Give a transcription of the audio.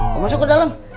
mau masuk ke dalam